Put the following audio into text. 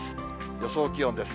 予想気温です。